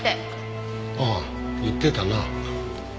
ああ言ってたな。